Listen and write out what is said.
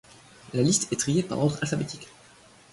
La liste est triée par ordre alphabétique.